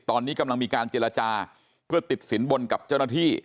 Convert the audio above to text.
ตอนนี้กำลังมีการเจรจาเพื่อติดสินบนกับเจ้าหน้าที่